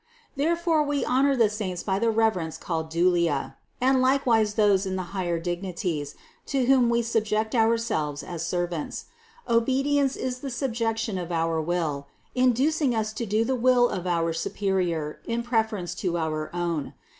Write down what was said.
Therefore we honor the saints by the reverence called dulia, and likewise those in the higher dignities, to whom we subject ourselves as servants. Obedience is the subjection of our will, inducing us to do the will of our superior in preference to our own.